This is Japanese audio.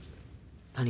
何？